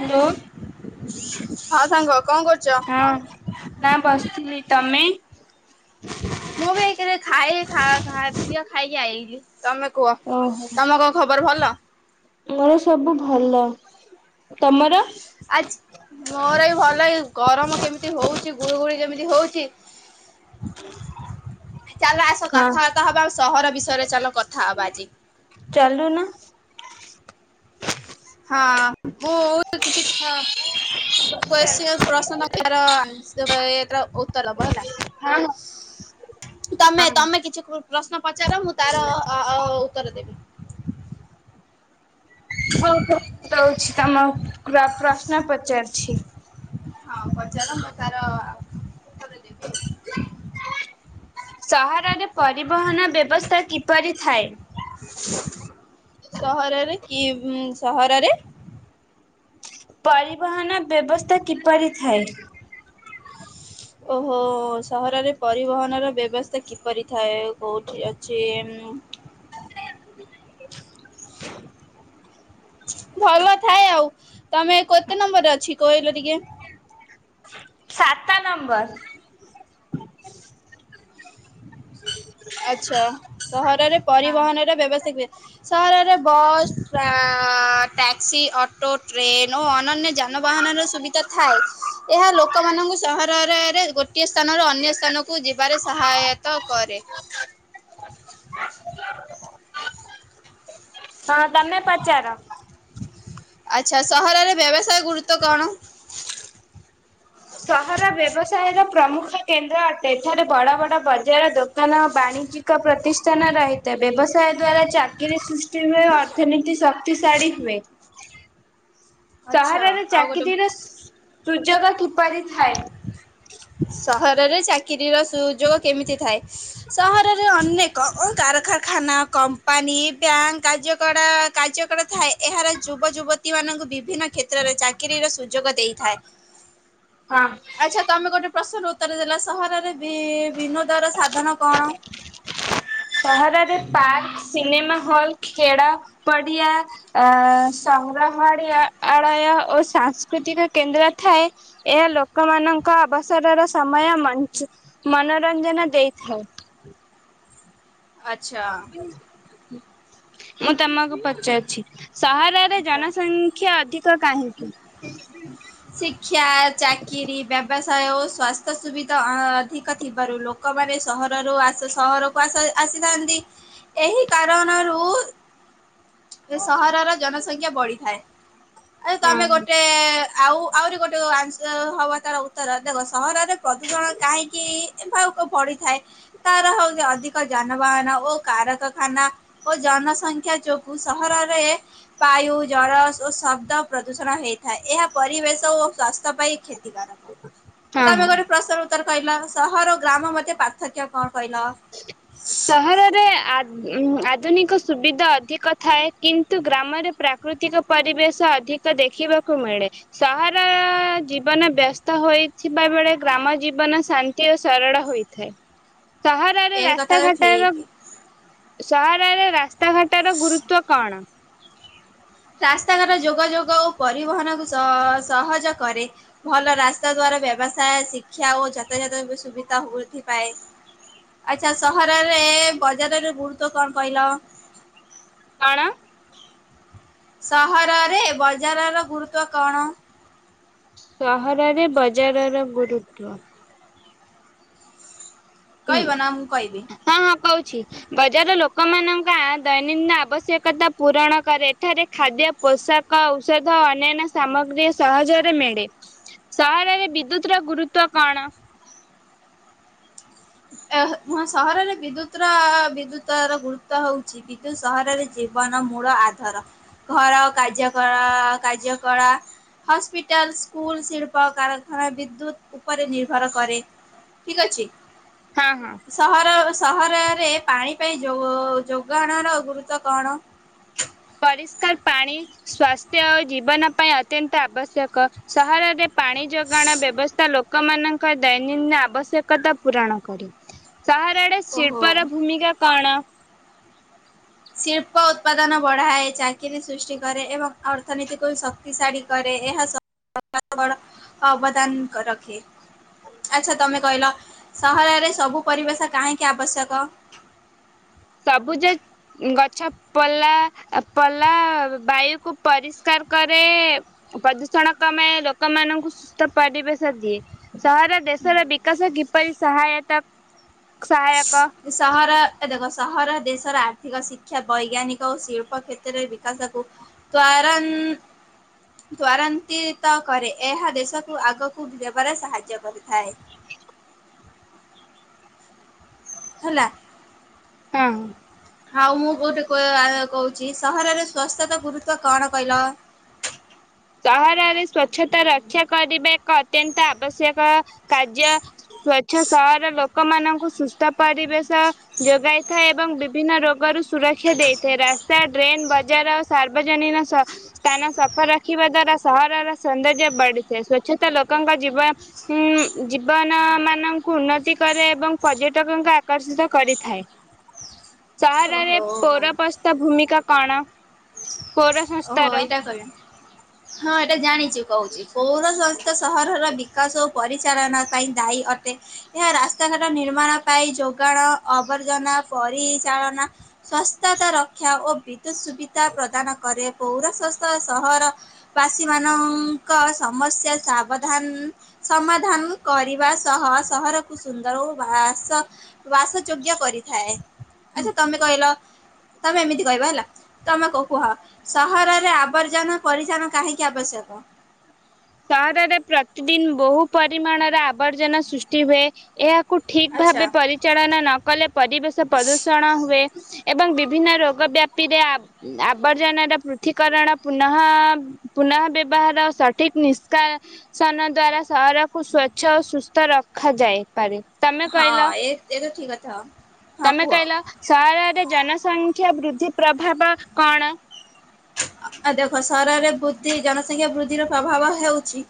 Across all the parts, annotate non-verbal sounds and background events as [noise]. Hello. ହଁ ସାଙ୍ଗ କଣ କର୍ ହଁ, ନା ବସିଥିଲି ତମେ? ମୁଁ ବି ଏକେରେ ଖାଇ ଖା ଖା ଖାଦ୍ୟ ଖାଇକି ଆଇଲି। ତମେ କୁହ ଓହୋ ତମ କଣ ଖବର ଭଲ? ମୋର ସବୁ ଭଲ। ତମର? ଆଛ୍ ମୋର ବି ଭଲ ଏଇ ଗରମ କେମିତି ହଉଛି ଗୁଳୁଗୁଳି କେମିତି [inaudible] ହଉଛି। ଚାଲ ଆସ ହଁ କଥାବାର୍ତ୍ତା ହବା ଆଉ ସହର ବିଷୟରେ ଚାଲ କଥା ହବା ଆଜି। ଚାଲୁନ। ହଁ ମୁଁ ତ କିଛି ହଁ କୋଶ୍ଚିନ୍ ପ୍ରଶ୍ନ କେଇଟାର ଆନ୍ସେର। ର ଉତ୍ତ ଦେବ ହେଲା। ହଁ ତମେ ତମେ କିଛି ପ୍ରଶ୍ନ ପଚାର ମୁଁ ତାର ଅ-ଅ-ଅ ଉତ୍ତର ଦେବି। ହଁ ହଁ ଦଉଛି ତମ ପ୍ର ପ୍ରଶ୍ନ ପଚାରୁଛି। ହଁ ପଚାର‌ ମୁଁ ତାର ଆ ଉତ୍ତର ଦେବି ଆଉ ସହରରେ ପରିବହନ ବ୍ୟବସ୍ଥା କିପରି ଥାଏ? ସହରରେ କି ସହରରେ? ପରିବହନ ବ୍ୟବସ୍ଥା କିପରି ଥାଏ? ଓହୋଃ ସହରରେ ପରିବହନର ବ୍ୟବସ୍ଥା କିପରି ଥାଏ? କୋଉଠି ଅଛି ଏ କ ଭଲ ଥାଏ ଆଉ, ତମେ କୋତେ ନମ୍ବରରେ ଅଛି କହିଲ ଟିକେ? [inaudible] [inaudible] ନମ୍ବର। ଆଚ୍ଛା, ସହରରେ ପରିବହନର ବ୍ୟବସ୍ଥା। [inaudible] ସହରରେ ବସ୍, ଟ୍ରାଆ-ଆ-ଆ ଟ୍ୟାକ୍ସି, ଅଟୋ, ଟ୍ରେନ୍ ଓ ଅନନ୍ୟ ଯାନ୍ ଯାନବାହନର ସୁବିଧା ଥାଏ, ଏହା ଲୋକମାନଙ୍କୁ ସହରରେରେ ଗୋଟିଏ ସ୍ଥାନରୁ ଅନ୍ୟ ସ୍ଥାନକୁ କୁ ଯିବାରେ ସହାୟତା କରେ। ହଁ, ତମେ ପଚାର? ଆଚ୍ଛା, ସହରରେ ବ୍ୟବସାୟ ଗୁରୁତ୍ୱ କଣ? ସହର ବ୍ୟବସାୟର ପ୍ରମୁଖ କେନ୍ଦ୍ର ଅଟେ ଏଠାରେ ବଡ ବଡ ବଜାର ଦୋକ୍ ଦୋକାନ ବାଣିଜ୍ୟିକ ପ୍ରତିଷ୍ଠାନ ରହିଥାଏ, ବ୍ୟବସାୟ ଦ୍ଵାରା ଚାକିରିୀ ସୃଷ୍ଟିହୁଏ ଓ ଅର୍ଥନୀତି ଶକ୍ତିଶାଳୀ ହୁଏ। [inaudible] ଆଚ୍ଛା ସହରରେ ଆଉ ଗୋଟେ ଚାକିରୀର ସୁଯୋଗ କିପରି ଥାଏ? ସହରରେ ଚାକିରୀର ସୁଯୋଗ କେମିତି ଥାଏ? ସହରରେ ଅନେକ କା କଳ କାରଖାନା, କମ୍ପାନୀ, ବ୍ୟାଙ୍କ୍, କାର୍ଯ୍ୟକଳା, କାର୍ଯ୍ୟକଳା ଥାଏ, ଏହାର ଯୁବ ଯୁବତୀ ମାନଙ୍କୁ ବିଭିନ୍ନ କ୍ଷେତ୍ରରେ ଚାକିରିର ସୁଯୋଗ ଦେଇଥାଏ। ହଁ। ପ୍ରଶ୍ନ ଉତ୍ତର ଦେଲ ସହରରେ ବି ବିନୋଦର ସାଧନ କଣ? ସହରରେ ପାର୍କ, ସିନେମାହଲ୍, ଖେଳ ପଡିଆ‌ ଆ-ଆ ସ ସଂଗ୍ରହାଳିଆ ଆଳୟ ଓ ସାଂସ୍କୃତିକ କେନ୍ଦ୍ର ଥାଏ ଏହା ଲୋକମାନଙ୍କ ଅବସରର ସମୟ ମଞ୍ଚ୍ ମନୋରଞ୍ଜନ ଦେଇଥାଏ। ଆଚ୍ଛା ମୁଁ ତମକୁ ପଚାରୁଛି? ସହରରେ ଆଚ୍ଛା। ଜନସଂଖ୍ୟା ଅଧିକ କାହିଁକି? ଶିକ୍ଷା, ଚାକିରି, ଓ ବ୍ୟବସାୟ ସ୍ୱାସ୍ଥ୍ୟ ସୁବିଧା ଆ ଅଧିକ ଥିବାରୁ ଲୋକମାନେ ସହରରୁ ଆସୁ ସହରକୁ ଆସ ଆ ଆସିଥାନ୍ତି ଏହି କାରଣରୁ ଏ ସହରର ଜନସଂଖ୍ୟା ବଢିଥାଏ, ଆଉ ହଁ ହଁ ତମେ ଗୋଟେ ଆଉ ଆହୁରି ଗୋଟେ ଆନ୍ସ ହବ ତାର ଉତ୍ତର ଦେଖ ସହରରେ ପ୍ରତି ଜଣ କାହିଁକି ଥାଉ। ପଡିଥାଏ, ତାରହଉଛି ଅଧିକ ଯାନବାହାନ ଓ କାରକଖାନା ଓ ଜନସଂଖ୍ୟା ସଂଖ୍ୟା ଯୋଗୁ ସହରରେ ବାୟୁ, ଜଳ ଓ ଶବ୍ଦ ପ୍ରଦୂଷଣ ହୋଇଥାଏ ଏହା ପରିବେଶ ଓ ସ୍ୱାସ୍ଥ୍ୟପାଇଁ କ୍ଷତିକାରକ, ହଁ ତମେ ହଁ। ଗୋଟେ ପ୍ରଶ୍ନର ଉତ୍ତର କହିଲ ସହର ଓ ଗ୍ରାମ ମତେ ପାର୍ଥକ୍ୟ କଣ? କହିଲ? ସହରରେ ଅଦ୍ ଉନ୍ ଆ ଆଧୁନିକ ସୁବିଧା ଅଧିକଥାଏ କିନ୍ତୁ ଗ୍ରାମରେ ପ୍ରାକୃତିକ ପରିବେଶ ଅଧିକ ଦେଖିବାକୁ ମିଳେ, ସହର ଜୀବନ ବ୍ୟସ୍ତ ହୋଇଥିବା ବେଳେ ଗ୍ରାମ ଜୀବନ ଶାନ୍ତି ଖାଦ୍ୟ ସରଳ ହୋଇଥାଏ। ସହରରେ ଏ କଥା ରାସ୍ତା ଘାଟର ଠିକ। ସହରରେ ରାସ୍ତାଘାଟର ଗୁରୁତ୍ଵ କଣ? ରାସ୍ତାଘାଟ ଯୋଗାଯୋଗ ଓ ପରିବହନକୁ ସ-ସହଜ କରେ। ଭଲ ରାସ୍ତା ଦ୍ଵା ବ୍ୟବସାୟ, ଶିକ୍ଷା ଓ ଯତାଜାତ ସୁବିଧା ବୃଦ୍ଧି ପାଏ। ଆଛା ସହରରେ ବଜାରର ଗୁରୁତ୍ଵ କଣ କହିଲ? କଣ? ସହରରେ ବଜାରର ଗୁରୁତ୍ଵ କଣ? ସହରରେ ବଜାରର ଗୁରୁତ୍ଵ? ହୁଁ କହିବ ନା ମୁଁ କହିବି? ହଁ ହଁ କୋହୁଚି। ବଜାର ଲୋକମାନଙ୍କ ଆ ଦୈନନ୍ଦିନ ଆବଶ୍ୟକତା ପୂରଣ କରେ ଏଠାରେ ଖାଦ୍ୟ ପୋସ୍ ଷାକ, ଔଷଧ ଅନ୍ୟାନ୍ୟ ସାମଗ୍ରୀ ସହଜରେ ମିଳେ। ସହରରେ ବିଦ୍ୟୁତର ଗୁରୁତ୍ଵ କଣ? ଏହେ ସହରରେ ବିଦ୍ୟୁତର ବିଦ୍ୟୁତର ଗୁରୁତ୍ଵ ହୋଉଛି କିନ୍ତୁ ସହରରେ ଜୀବ ମୂଳ ଆଧାର ଘର ଓ କାର୍ଯ୍ୟଳା କାର୍ଯ୍ୟକଳା ହସ୍ପିଟାଲ ସ୍କୁଲ ଶିଳ୍ପ କାରଖାନା ବିଦ୍ୟୁତ ଉପରେ ନିର୍ଭର କରେ। ଠିକ ଅଛି ହଁ ହଁ ସହର ସହରରେ ପାଣି ପାଇଁ ଯୋ-ଯୋଗାଣର ଗୁରୁତ୍ୱ କଣ? ପରିଷ୍କାର ପାଣି ସ୍ଵାସ୍ଥ୍ୟ ଓ ଜୀବନ ପାଇଁ ଅତ୍ୟନ୍ତ ଆବଶ୍ୟକ ସହରରେ ପାଣି ଯୋଗାଣ ବ୍ୟବସ୍ଥା ଲୋକମାନଙ୍କ ଦୈନନ୍ଦିନ ଆବଶ୍ୟକତା ପୂରଣ କରେ। ସହରରେ ଓହୋ। ଶିଳ୍ପର ଭୂମିକା କଣ? ଶିଳ୍ପ ଉତ୍ପାଦନ ବଢାଏ ଚାକିରିୀ ସୃଷ୍ଟି କରେ ଏବଂ ଅର୍ଥନୀତିକୁ ଶକ୍ତିଶାଳୀ କରେ। ଏହା ସ [unintelligible] ଅବଦାନ ରଖେ। ଆଛା ତମେ କହିଲ ସହରରେ ସବୁ ପରିବେଶ କାହିଁକି ଆବଶ୍ୟକ? ସବୁଜ ଗଛ ପଲା ପଲା ବାୟୁକୁ ପରିଷ୍କାର କରେ ପ୍ରଦୂଷଣ କମେ ଲୋକମାନଙ୍କୁ ସୁସ୍ଥ ପରିବେଶ ଦିଏ। ସହର ଦେଶର ବିକାଶ କିପରି ସହାୟତା ସହାୟକ ସହାରା ଏ ଦେଖ ସହର ଦେଶର ଆର୍ଥିକ ଶିକ୍ଷା ବୈଜ୍ଞାନିକ ଓ ଶିଳ୍ପ କ୍ଷେତ୍ରରେ ବିକାଶକୁ ତ୍ୱରାନ୍ ଉଁ ତ୍ୱରାନ୍ତିତ କରେ ଏହା ଦେଶକୁ ଆଗକୁ ଦେବାରେ ସାହାଯ୍ୟ କରିଥାଏ। ହେଲା। ହଁ। ହଉ ମୁଁ କୋଠି କହୁଛି ସହରରେ ସ୍ଵସ୍ଥତା ଗୁରୁତଵ କଣ କହିଲ? [inaudible] ସହରରେ ସ୍ଵଚ୍ଛତା ରକ୍ଷା କରିବା ଏକ ଅତ୍ୟନ୍ତ ଆବଶ୍ୟକ କାର୍ଯ୍ୟ ସ୍ଵ୍ଛ ସହର ଲୋକ ଲୋକମାନଙ୍କୁ ସୁସ୍ଥ ପରିବେଶ ଯୋଗାଇଥାଏ ଏବଂ ବିଭିନ୍ନ ରୋଗରୁ ସୁରକ୍ଷା ଦେଇଥାଏ ରା ରାସ୍ତା ଟଡ୍ରେନ ବଜାର ଓ ସାର୍ବଜନୀନ ସ୍ଥାନ ସଫର ରଖିବା ଦ୍ଵାରା ସହରର ସୌନ୍ଦର୍ଯ୍ୟ ବଢିଥାଏ ସ୍ଵଚଛତା ଲୋକଙ୍କ ଜୀବନ ଜୀବନ ମାନଙ୍କୁ ଉନ୍ନତି କରେ ଏବଂ ପର୍ଯ୍ୟଟକଙ୍କୁ ଆକର୍ଷିତ କରିଥାଏ। [inaudible] ସହରରେ ଓହୋ ଭଲ ପୌରପଷଦ ଭୂମିକା କଣ? ପୌର ଓହୋ ସଂସ୍ଥାର। ଏଇଟା କହିବ। ହଁ ଏଟା ଜାଣିଛୁ କହୁଛି ପୌର ସଂସ୍ଥ ସହରର ବିକାଶ ଓ ପରିଚାଳନା ପାଇଁ ଦାୟୀ ଅଟେ ଏହା ରାସ୍ତାଘାଟ ନିର୍ମାଣ ପାଇଁ ଯୋଗାଣ ଆବର୍ଜନା ପରିଚାଳନା ସ୍ଵସ୍ଥତା ରକ୍ଷା ଓ ବିଦ୍ୟୁତ ସୁବିଧା ପ୍ରଦାନ କରେ। ପୌରସସ୍ ସହର ବାସୀ ମାନଙ୍କ ସମସ୍ୟା ସାବଧାନ ସମାଧାନ କରିବା ସହ ସହରକୁ ସୁନ୍ଦର ଓ ବାସ ବାସଯୋଗ୍ୟ କରିବା ଥାଏ ଆଚ୍ଛା ତମେ କହିଲ ତମେ ଏମିତି କହିବ ହେଲା ତମେ କୁହଁ ସହରରେ ଆବର୍ଜନା ପରିଧାନ କାହିଁକି ଆବଶ୍ୟକ? ସହରରେ ପ୍ରତିଦିନ ବହୁ ପରିମାଣର ଆବର୍ଜନା ସୃଷ୍ଟି ହୁଏ ଏହା କୁ ଠିକ୍ ଆଚ୍ଛା ଭାବେ ପରିଚାଳନା ନ କଲେ ପରିବେଶ ପ୍ରଦୂଷଣ ହୁଏ। ଏବଂ ବିଭିନ୍ନ ରୋଗ ବ୍ୟାପିରେ ଆବର୍ଜନାାର ପୃଥୀକରଣ ପୁନଃ ପୁନଃ ବ୍ୟବହାର ଆଉସଠ ଠିକ ନିଷ୍କାସନ ଦ୍ଵାରା ସହରକୁ ସ୍ଵଚ୍ଛ ଓ ସୁସ୍ଥ ରଖାଯାଇପାରେ। ହଁ ଏ ଏତ ଠିକ କଥା। ହଁ ତମେ କୁହ କହିଲ ସହରରେ ଜନସଂଖ୍ୟା ବୃଦ୍ଧି ପ୍ରଭାବ କଣ? ଆ ଦେଖ ସରରେ ବୁଦ୍ଧି ଜନ ଂଖ୍ୟା ବୃଦ୍ଧିର ପ୍ରଭାବ ହେଉଛି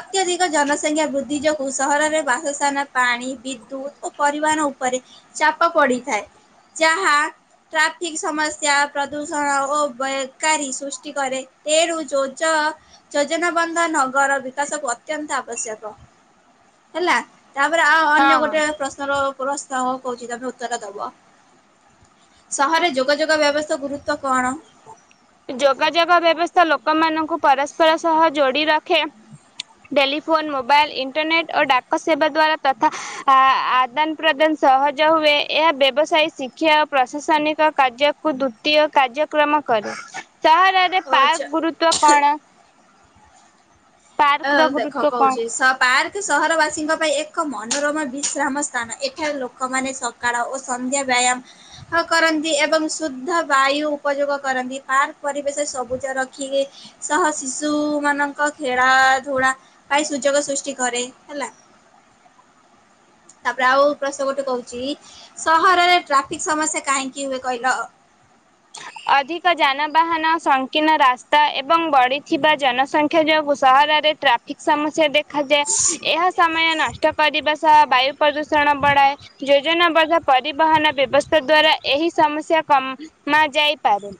ଅତ୍ୟଧିକ ଜ ଜନସଂଖ୍ୟା ବୃଦ୍ଧି ଯୋଗୁଁ ସହରରେ ବାସସ୍ଥାନା ପାଣି ବିଦ୍ୟୁତ ଓ ପରିବହନ ଉପରେ ଚାପ ପ ପଡିଥାଏ ଯାହା ଟ୍ରାଫିକ ସମସ୍ୟା ପ୍ରଦୂଷଣ ଓ କାରି ସୃଷ୍ଟି କରେ ତେଣୁ ଯୋଜ ଯୋଜନାବନ୍ଧ ନଗର ବିକାଶକୁ ଅତ୍ୟନ୍ତ ଆବଶ୍ୟକ ହେଲା ତାପରେ ଆଉ ହଁ ଅନ୍ୟ ହଁ ଗୋଟେ ପ୍ରଶ୍ନର ପ୍ରଶ୍ନ କହୁଛି ତମେ ଉତ୍ତର ଦବ। ସହରରେ ଯୋଗାଯୋଗ ବ୍ୟବସ୍ଥା ଗୁରୁତ୍ୱ କଣ? ଯୋଗାଯୋଗ ବ୍ୟବସ୍ଥା ଲୋକମାନାନଙ୍କୁ ପରସ୍ପର ସହ ଯୋଡି ରଖେ। ଟେଲିଫୋନ ମୋବାଇଲ୍ ଇଣ୍ଟରନେଟ୍ ଓ ଡାକ ସେବା ଦ୍ଵାରା ତଥା ଆଦାନ ପ୍ରଦାନ ସହଜ ହୁଏ ଏହା ବ୍ୟବସାୟୀ ଶିକ୍ଷା ଓ ପ୍ରଶାସନିକ କାର୍ଯ୍ୟକୁ ଦ୍ୱିତୀୟ କାର୍ଯ୍ୟକ୍ରମ କରେ ସହରରେ ଓ ପାର୍କ ଆଚ୍ଛା ଗୁରୁତଵ କଣ? ପାର୍କ ହ ର ଦେଖ ଗୁରୁତ୍ୱ କଣ? କହୁଛି ସ ପାର୍କ ସହରବାସୀଙ୍କ ପାଇଁ ଏକ ମନୋରମ ବିଶ୍ରାମ ସ୍ଥାନ ଏଠାରେ ଲୋକମାନେ ସକାଳ ଓ ସନ୍ଧ୍ୟା ବା ବାୟାମ କରନ୍ତି ଏବଂ ଶୁଦ୍ଧ ବାୟୁ ଉପଯୋଗ କରନ୍ତି ପାର୍କ ପରିବେଶ ସବୁ ରଖିବେ ସହ ଶିଶୁମାନଙ୍କ ଖେଳ ା କ ସୁଯୋଗ ସୃଷ୍ଟି କରେ ହେଲା। ତାପରେ ଆଉ ପ୍ରଶ୍ନ ଗୋଟେ କହୁଛି ସହରରେ ଟ୍ରାଫିକ ସମସ୍ୟା କାହିଁକି ହୁଏ କହିଲ? [inaudible] ଅଧିକ ଯାନବାହାନ ସଂକୀର୍ଣ୍ଣ ରାସ୍ତା ଏବଂ ବଢିଥିବା ଜନସଂଖ୍ୟା ଯୋଗୁ ସହ ରରେ ଟ୍ରାଫିକ ସମସ୍ୟା ଦେଖ ଦେଖାଯାଏ ଏହା ସମୟ ନଷ୍ଟ କରିବା ସହ ବାୟୁ ପ୍ରଦୂଷଣ ବଢାଏ ଯେ ଯୋଜନାବଦ୍ଧ ପରିବହନ ବ୍ୟବସ୍ଥା ଦ୍ଵାରା ଏହି ସମସ୍ୟା କମା ଯାଇପାରୁ।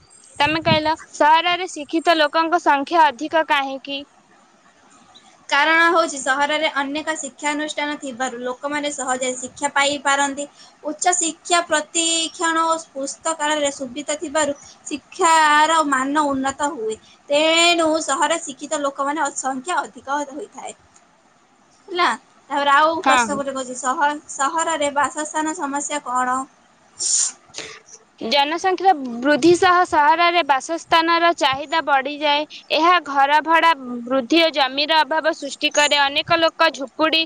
ତମେ କହିଲ ସହରରେ ଶୀ ଶିକ୍ଷିତ ଲୋକଙ୍କ ସଂଖ୍ୟା ଅଧିକ କାହିଁକି? କାରଣ ହଉଚି ସହରରେ ଅନେକ ଶିକ୍ଷାନୁଷ୍ଠାନ ଥିବାରୁ ଲୋକମାନେ ସହଜରେ ଶିକ୍ଷା ପାଇପାର ନ୍ତି। ଉଚ୍ଚ ଶିକ୍ଷା ପ୍ରତି୍କ୍ଷଣ ଓ ପୁସ୍ତକାଳୟରେ ସୁବିଧା ଥିବାରୁ ଶିକ୍ଷା ଆର ମାନ ଉନ୍ନତ ହୁଏ ତେଣୁ ସହର ଶିକ୍ଷିତ ଲୋକମାନେ ଅଛନ୍ତି ଆଉ। ଅଧିକ ହୋଇଥାଏ। ହେଲା ତାପରେ ଆଉ ହଁ। ପ୍ରଶ୍ନ ଗୋଟେ କହୁଚି ସହର ସହରରେ ବାସସ୍ଥାନ ସମସ୍ୟା କଣ? ଜନସଂଖ୍ୟା ବୃଦ୍ଧି ସହ ସହରରେ ବାସସ୍ଥାନର ଚାହିଦା ବଢିଯାଏ। ଏହା ଘର ଭଡ଼ା ବୃଦ୍ଧି ଓ ଜମିର ଅଭାବ ସ୍ରୁ ଷ୍ଟି କରେ। ଅନେକ ଲୋକ ଝୁପୁଡି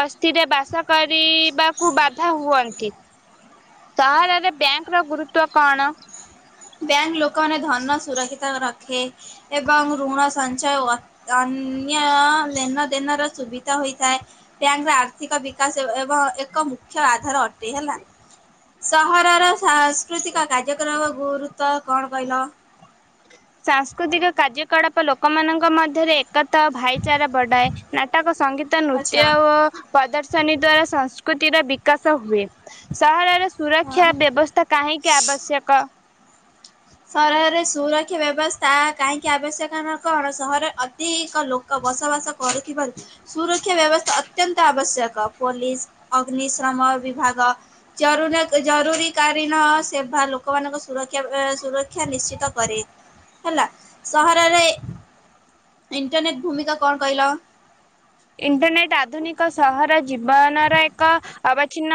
ବସ୍ତିରେ ବାସ କରିବାକୁ ବାଧା ହୁଅନ୍ତି। ନ୍ତି। ସହରରେ ବ୍ୟାଙ୍କ ର ଗୁରୁତ୍ଵ କଣ? ବ୍ୟାଙ୍କ ଲୋକମାନେ ଧନ ସୁରକ୍ଷିତ ରଖେ ଏବଂ ଋଣ ସଞ୍ଚୟ ଓ ଅନ୍ ନ୍ୟ ଲେନ ଦେନ ର ସୁବିଧା ହୋଇଥାଏ। ବ୍ୟାଙ୍କର ଆର୍ଥିକ ବିକାଶ ଏବଂ ଏକ ମୁଖ୍ୟ ଆଧାର ଅଟେ ହେଲା। ସହରର ସାଂସ୍କୃତିକ କାର୍ଯ୍ୟକ୍ରମ ଗୁରୁ ତ କଣ କହିଲ? ସାଂସ୍କୃତିକ କାର୍ଯ୍ୟକଳାପ ଲୋକମାନଙ୍କ ମଧ୍ୟରେ ଏକତା ଭାଇଚାରା ବଢାଏ। ନାଟକ ସଙ୍ଗୀତ ନୃତ୍ୟ ଆଚ୍ଛା ଓ ପ୍ରଦର୍ ଶନି ଦ୍ଵାରା ସଂସ୍କୃତିର ବିକାଶ ହୁଏ। ସହରରେ ହଁ। ସୁରକ୍ଷା ବ୍ୟବସ୍ଥା କାହିଁକି ଆବଶ୍ୟକ? ସହରରେ ସୁରକ୍ଷା ବ୍ୟବସ୍ଥା କାହିଁକି ଆବଶ୍ୟକ ନ କଣ ସହରରେ ଅଧିକ ଲୋକ ବସବାସ କରୁଥିବାରୁ ସୁରକ୍ଷା ବ୍ୟବସ୍ଥା ଅତ୍ୟନ୍ତ ଆବଶ୍ୟକ ପୋଲିସ ଅଗ୍ନିଶ୍ରମ ବିଭାଗ, ଜରୁର ଜରୁରୀ କାଳୀନ ସେବା ଲୋକମାନଙ୍କ ସୁରକ୍ଷା ଏ ସୁରକ୍ଷା ନିଶ୍ଚିତ କରେ ହେଲା। ସହରରେ ଇଣ୍ଟରନେଟ୍ ଭୂମିକା କଣ କହିଲ? ଇଣ୍ଟରନେଟ ଆଧୁନିକ ସହର ଜୀବନର ଏକ ଅବଚ୍ଛିନ୍ନ।